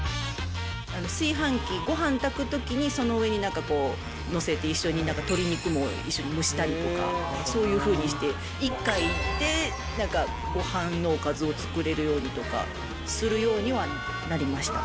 炊飯器、ごはん炊くときにその上になんか載せて、一緒に鶏肉も、一緒に蒸したりとか、そういうふうにして、１回でごはんのおかずを作れるようにとかするようにはなりました